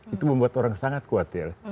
itu membuat orang sangat khawatir